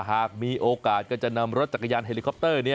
หากมีโอกาสก็จะนำรถจักรยานเฮลิคอปเตอร์